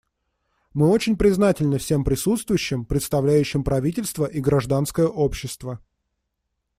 Мы очень признательны всем присутствующим, представляющим правительства и гражданское общество.